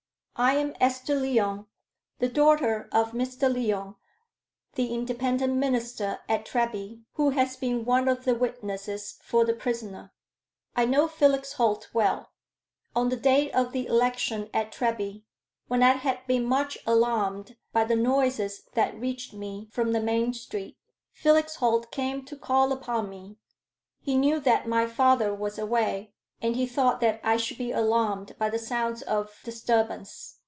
"I am Esther Lyon, the daughter of Mr. Lyon, the Independent minister at Treby, who has been one of the witnesses for the prisoner. I know Felix Holt well. On the day of the election at Treby, when I had been much alarmed by the noises that reached me from the main street, Felix Holt came to call upon me. He knew that my father was away, and he thought that I should be alarmed by the sounds of disturbance.